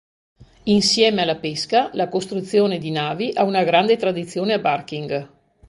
Insieme alla pesca, la costruzione di navi, ha una grande tradizione a Barking.